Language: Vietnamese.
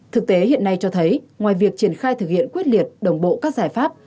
thực tế hiện nay cho thấy ngoài việc triển khai thực hiện quyết liệt đồng bộ các giải pháp